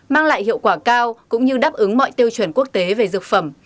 mang lại hiệu quả cao cũng như đáp ứng mọi tiêu chuẩn quốc tế về dược phẩm